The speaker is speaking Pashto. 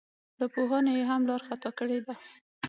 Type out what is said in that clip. له پوهانو یې هم لار خطا کړې ده.